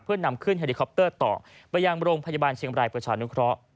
เพื่อนำขึ้นเฮลิคอปเตอร์ต่อไปยังโรงพยาบาลเชียงบรายประชานุเคราะห์